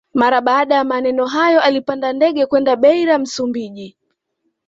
Mara baada ya maneno hayo alipanda ndege kwenda Beira Msumbiji